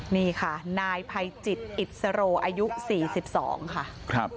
นี่ค่ะนายภัยจิตอิสโรอายุ๔๒ค่ะ